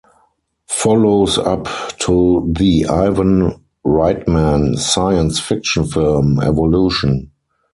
Follows up to the Ivan Reitman science fiction film, "Evolution".